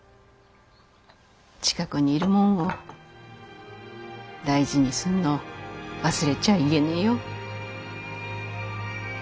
近くにいる者を大事にすんのを忘れちゃあいげねぇよ。